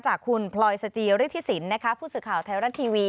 จากคุณพลอยสจิฤทธิสินผู้สื่อข่าวไทยรัฐทีวี